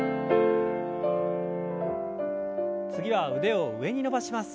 次は腕を上に伸ばします。